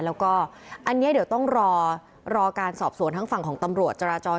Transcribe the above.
แล้วก็อันนี้เดี๋ยวต้องรอรอการสอบสวนทั้งฝั่งของตำรวจจราจร